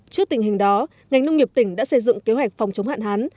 trước tình hình đó ngành nông nghiệp tỉnh đã xây dựng kế hoạch phòng chống hạn hán